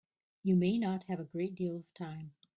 You may not have a great deal of time.